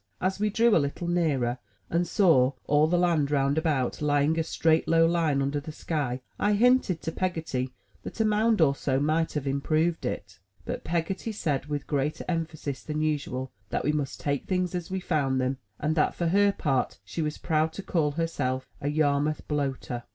As we drew a little nearer, and saw all the land roimd about lying a straight low line under the sky, I hinted to Peggotty that a mound or so might have improved it. But Peggotty said, with greater emphasis than usual, that we must take things as we found them, and that, for her part, she was proud to call herself a Yarmouth Bloater.